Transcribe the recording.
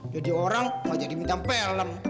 jadi orang nggak jadi minta film